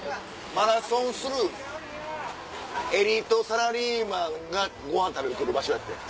マラソンするエリートサラリーマンがごはん食べに来る場所やってん。